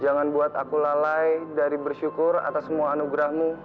jangan buat aku lalai dari bersyukur atas semua anugerahmu